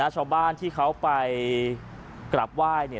ชาวบ้านที่เขาไปกลับไหว้